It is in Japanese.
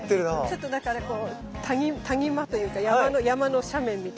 ちょっとなんかね谷間というか山の斜面みたいな感じで。